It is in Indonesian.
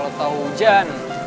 ah kalo tau hujan